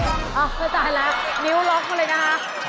อ้นาจารย์นิ้วล็อกมาเลยนะคะ